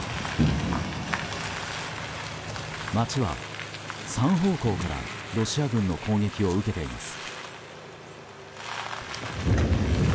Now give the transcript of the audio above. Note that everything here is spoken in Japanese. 街は三方向からロシア軍の攻撃を受けています。